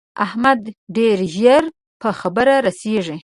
احمد ډېر ژر په خبره رسېږي.